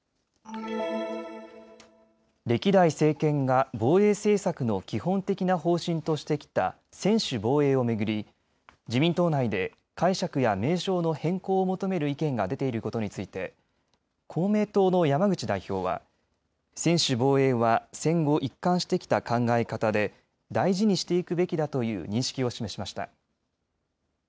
歴代政権が防衛政策の基本的な方針としてきた専守防衛を巡り自民党内で解釈や名称の変更を求める意見が出ていることについて公明党の山口代表は専守防衛は戦後一貫してきた考え方で大事にしていくべきだという認識を示しました。